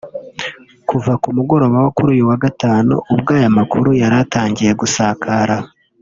Kuva ku mugoroba wo kuri uyu wa Gatanu ubwo aya makuru yari atangiye gusakara